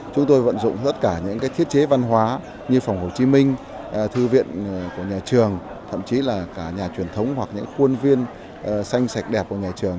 chúng tôi vận dụng tất cả những thiết chế văn hóa như phòng hồ chí minh thư viện của nhà trường thậm chí là cả nhà truyền thống hoặc những khuôn viên xanh sạch đẹp của nhà trường